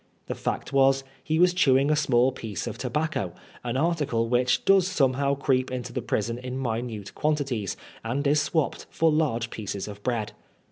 The fact was, he was chewing a small piece of tobacco, an article which does somehow creep into the prison in minute quanti ties, and is swapped for lai^e pieces of bread.